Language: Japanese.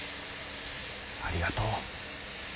ありがとう。